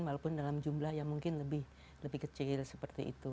walaupun dalam jumlah yang mungkin lebih kecil seperti itu